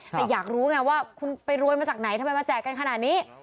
แต่อยากรู้ไงว่าคุณไปรวยมาจากไหนทำไมมาแจกกันขนาดนี้